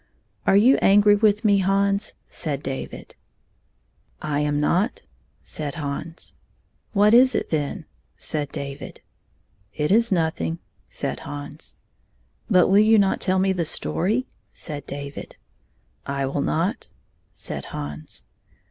"Are you angry with me, Hansi" said David. 3» 4t "I am not," said Hans. "What is it, then?" said David. "It is nothing," said Hans. "But will you not tell me the story?" said David. "I vsdll not," said Hans.